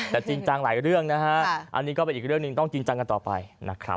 แต่จริงจังหลายเรื่องนะฮะอันนี้ก็เป็นอีกเรื่องหนึ่งต้องจริงจังกันต่อไปนะครับ